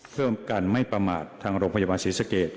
เท่าการไม่ประมาททางโรงพยาบาลศิริษฐกิจ